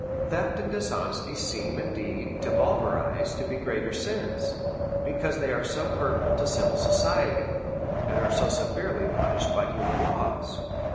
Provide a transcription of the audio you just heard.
Theft and dishonesty seem, indeed, to vulgar eyes, to be greater sins, because they are so hurtful to civil society, and are so severely punished by human laA\^s.